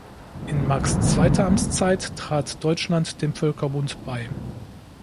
In Marx’ zweiter Amtszeit trat Deutschland dem Völkerbund bei.